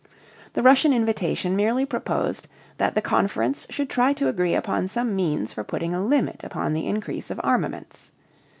The Russian invitation merely proposed that the conference should try to agree upon some means for putting a limit upon the increase of armaments.